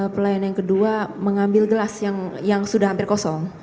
pelayanan yang kedua mengambil gelas yang sudah hampir kosong